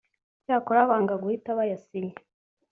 icyakora banga guhita bayasinya